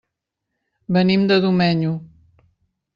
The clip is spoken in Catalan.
Venim de Domenyo.